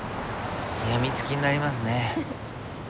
病みつきになりますね。